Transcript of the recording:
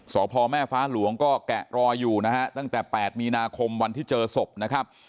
สพแม่ฟ้าหลวงก็แกะรอยอยู่นะฮะตั้งแต่๘มีนาคมวันที่เจอศพนะครับ